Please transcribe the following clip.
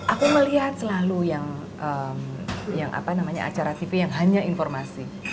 aku melihat selalu yang acara tv yang hanya informasi